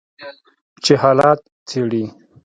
چې حالات څیړي